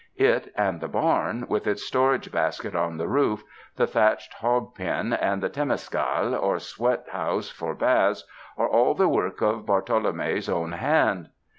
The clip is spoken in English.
It and the barn, with its storage basket on the roof, the thatched hog pen and the temescal, or sweathouse for baths, are all the work of Bartolome 's own hand.